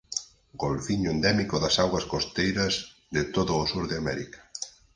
Golfiño endémico das augas costeiras de todo o sur de América.